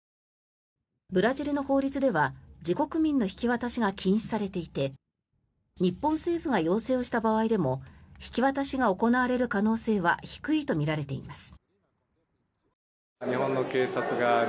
ブラジルの法律では自国民の引き渡しが禁止されていて日本政府が要請をした場合でも引き渡しが行われる可能性は低いとみられています。